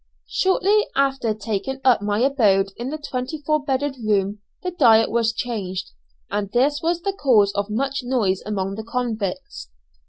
Shortly after taking up my abode in the twenty four bedded room, the diet was changed, and this was the cause of much noise among the convicts.